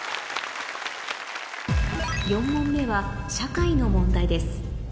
４問目はの問題です